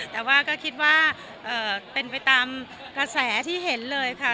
แต่ว่าก็คิดว่าเป็นไปตามกระแสที่เห็นเลยค่ะ